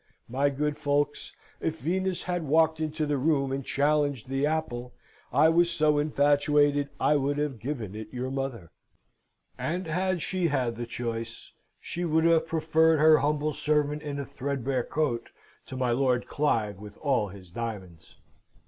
My good folks, if Venus had walked into the room and challenged the apple, I was so infatuated, I would have given it your mother. And had she had the choice, she would have preferred her humble servant in a threadbare coat to my Lord Clive with all his diamonds.